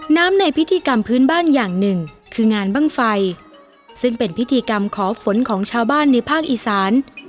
ในพิธีกรรมพื้นบ้านอย่างหนึ่งคืองานบ้างไฟซึ่งเป็นพิธีกรรมขอฝนของชาวบ้านในภาคอีสาน